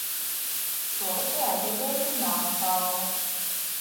Šovasar aizlidoju uz Melnkalni.